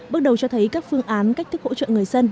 bước đầu cho thấy các phương án cách thức hỗ trợ người dân